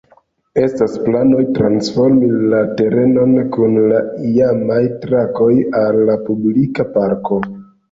Estas planoj transformi la terenon kun la iamaj trakoj al publika parko.